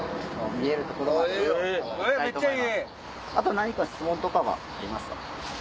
何か質問とかはありますか？